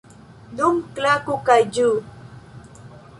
Nun klaku kaj ĝuu!